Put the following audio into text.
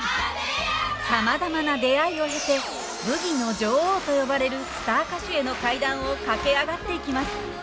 さまざまな出会いを経てブギの女王と呼ばれるスター歌手への階段を駆け上がっていきます。